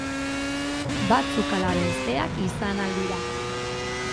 Batzuk ala besteak izan ahal dira.